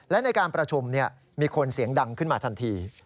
และในการประชุมมีคนเสียงดังขึ้นมาทันที